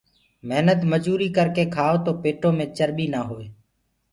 مهنت مجوري ڪرڪي کآئو تو پيٽو مي چرٻي نآ هوئي